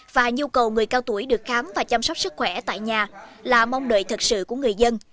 và nhu cầu người cao tuổi được khám và chăm sóc sức khỏe tại nhà là mong đợi thật sự của người dân